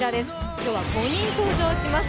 今日は５人登場します。